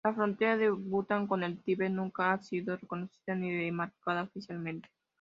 La frontera de Bután con el Tíbet nunca ha sido reconocida ni demarcada oficialmente.